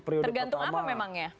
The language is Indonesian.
tergantung apa memangnya